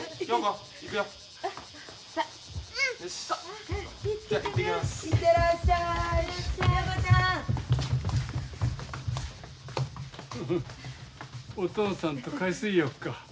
フフお父さんと海水浴か。